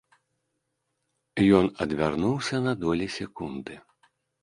Ён адвярнуўся на долі секунды.